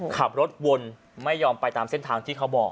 ขับรถวนไม่ยอมไปตามเส้นทางที่เขาบอก